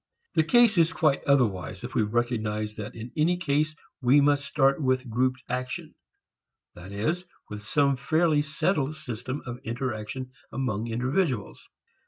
The case is quite otherwise if we recognize that in any case we must start with grouped action, that is, with some fairly settled system of interaction among individuals.